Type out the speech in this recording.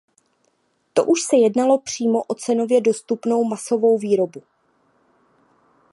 To už se jednalo přímo o cenově dostupnou masovou výrobu.